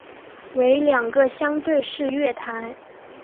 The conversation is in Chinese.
为两个相对式月台。